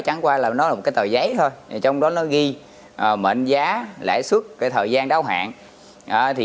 chẳng qua là nó là một cái tờ giấy thôi trong đó nó ghi mệnh giá lãi suất cái thời gian đáo hạn thì